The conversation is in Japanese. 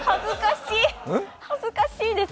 恥ずかしいです。